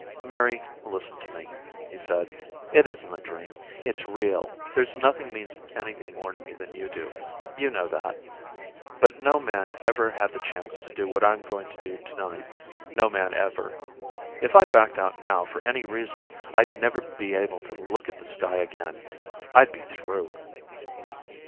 "Mary, listen to me," he said. "It isn't a dream. It's real. There's nothing means anything more to me than you do you know that. But no man ever had the chance to do what I'm going to do tonight no man ever. If I backed out now for any reason, I'd never be able to look at the sky again. I'd be through."